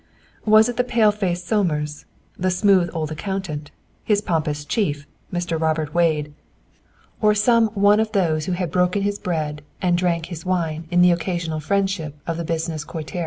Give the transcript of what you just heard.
Was it the pale faced Somers, the smooth old accountant, his pompous chief, Mr. Robert Wade, or some one of those who had broken his bread and drank his wine in the occasional friendship of the business coterie.